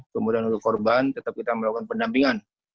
kemudian untuk korban tetap kita melakukan pendampingan